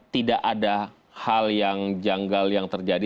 tidak ada hal yang janggal yang terjadi